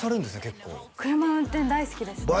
結構車運転大好きですね